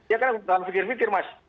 ya kalian harus berpikir pikir mas